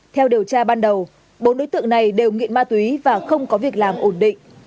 theo điều tra ban đầu bốn đối tượng này đều nghiện ma túy và không có việc làm ổn định